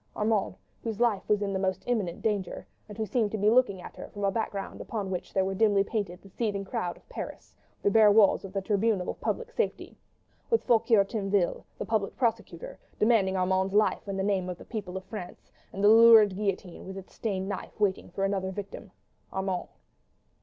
Armand, whose life was in the most imminent danger, and who seemed to be looking at her from a background upon which were dimly painted the seething crowd of Paris, the bare walls of the Tribunal of Public Safety, with Foucquier Tinville, the Public Prosecutor, demanding Armand's life in the name of the people of France, and the lurid guillotine with its stained knife waiting for another victim ... Armand!